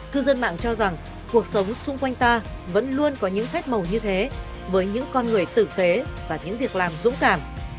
cư dân mạng cho rằng cuộc sống xung quanh ta vẫn luôn có những phép màu như thế với những con người tử tế và những việc làm dũng cảm